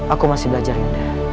aku masih belajar ini